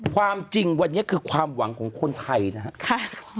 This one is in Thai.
ความจริงวันนี้คือความหวังของคนไทยนะครับ